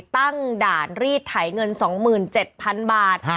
ตั้งด่านรีดไถเงิน๒๗๐๐๐บาท